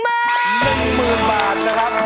หมื่นบาทนะครับ